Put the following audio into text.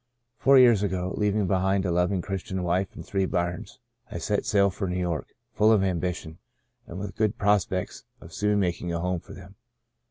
Four years ago, leaving behind a loving Christian wife and three bairns, I set sail for New York, full of ambition, and with good prospects of soon making a home for them.